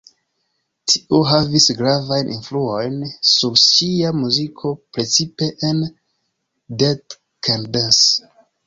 Tio havis gravajn influojn sur ŝia muziko, precipe en "Dead Can Dance".